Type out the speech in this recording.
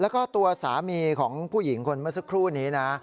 แล้วก็ตัวสามีของผู้หญิงคนเมื่อสักครู่นี้นะ